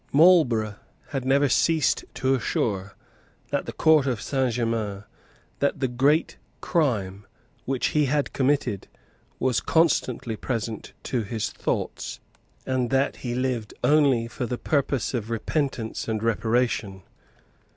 Marlborough had never ceased to assure the Court of Saint Germains that the great crime which he had committed was constantly present to his thoughts, and that he lived only for the purpose of repentance and reparation.